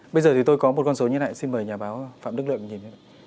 bây giờ thì tôi có một con số như thế này xin mời nhà báo phạm đức lượng nhìn